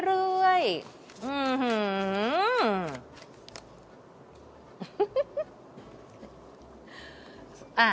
อื้อหืออื้อหือ